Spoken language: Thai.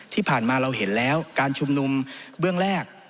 ที่ผ่านมาเราเห็นแล้วการชุมนุมเบื้องแรก